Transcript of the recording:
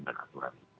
dengan aturan ini